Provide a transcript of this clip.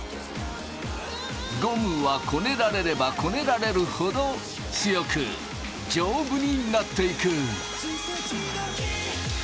ゴムはこねられればこねられるほど強く丈夫になっていく。